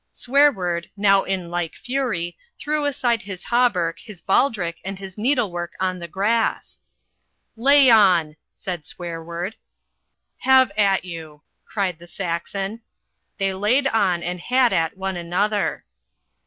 Swearword, now in like fury, threw aside his hauberk, his baldrick, and his needlework on the grass. "Lay on!" said Swearword. "Have at you!" cried the Saxon. They laid on and had at one another.